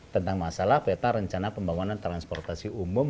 tentang masalah peta rencana pembangunan transportasi umum